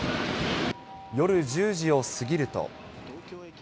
夜１０時を過ぎると。